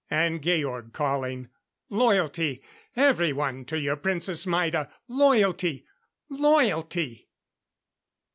And Georg calling: "Loyalty, everyone, to your Princess Maida. Loyalty! Loyalty!"